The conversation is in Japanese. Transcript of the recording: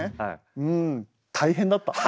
うん大変だった。